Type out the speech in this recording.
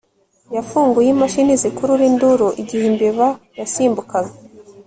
yafunguye imashini zikurura induru igihe imbeba yasimbukaga